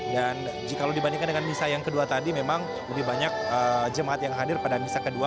jika dibandingkan dengan misa yang kedua tadi memang lebih banyak jemaat yang hadir pada misa kedua